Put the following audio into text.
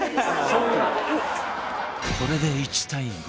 これで１対５